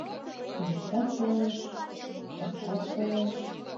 Йӱштат толеш, шокшат толеш